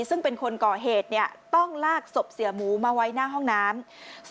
ซึ่งเป็นคนก่อเหตุต้องลากศพเสียหมูมาไว้หน้าห้องน้ำ